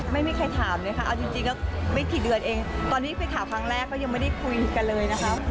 ไม่มีใครถามเลยค่ะเอาจริงก็ไม่กี่เดือนเองตอนที่ไปถามครั้งแรกก็ยังไม่ได้คุยกันเลยนะคะ